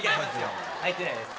入ってないです。